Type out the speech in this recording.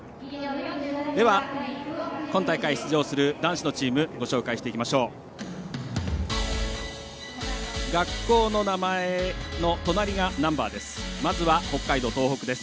では、今大会出場する男子のチームご紹介していきます。